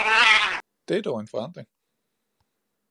Det er dog en forandring